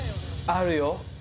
あるよ